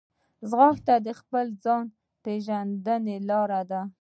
ځغاسته د خپل ځان پېژندنې لار ده